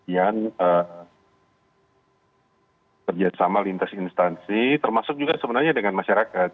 yang kerjasama lintas instansi termasuk juga sebenarnya dengan masyarakat